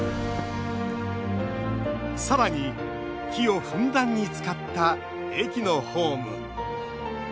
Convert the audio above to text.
さらに、木をふんだんに使った駅のホーム。